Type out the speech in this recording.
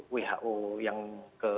who yang ke enam